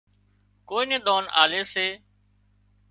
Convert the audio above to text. ڪوئي نين ۮانَ آلي سي